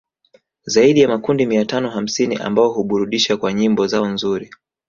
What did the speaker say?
Zaidi ya makundi mia tano hamsini ambao huburudisha kwa nyimbo zao nzuri